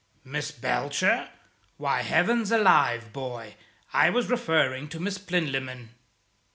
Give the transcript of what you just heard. "Miss Belcher? Why, heavens alive, boy, I was referring to Miss Plinlimmon!"